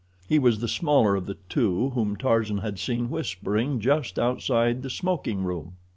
He was the smaller of the two whom Tarzan had seen whispering just outside the smoking room.